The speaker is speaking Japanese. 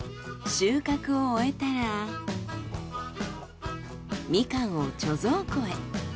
収穫を終えたらみかんを貯蔵庫へ。